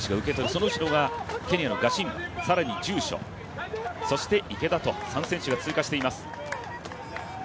その後ろがケニアのガシンバ、更に住所そして池田と３選手が通過していきます。